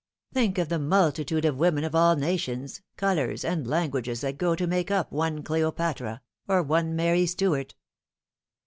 Think of the multitude of women of all nations, colours, and languages that go to make up one Cleopatra or one Mary Stuart."